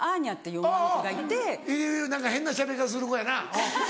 いるいる何か変なしゃべり方する子やな。